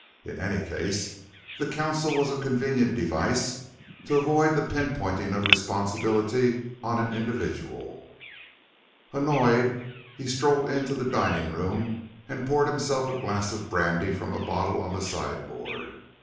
In any case, the council was a convenient device to avoid the pinpointing of responsibility on an individual. Annoyed, he strolled into the dining room and poured himself a glass of brandy from a bottle on the sideboard.